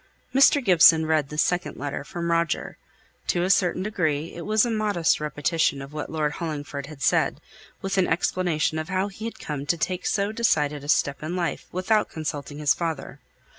Mr. Gibson read the second letter, from Roger. To a certain degree it was a modest repetition of what Lord Hollingford had said, with an explanation of how he had come to take so decided a step in life without consulting his father.